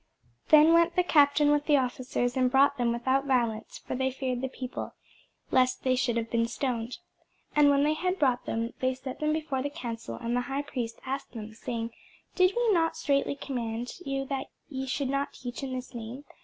Then went the captain with the officers, and brought them without violence: for they feared the people, lest they should have been stoned. And when they had brought them, they set them before the council: and the high priest asked them, saying, Did not we straitly command you that ye should not teach in this name?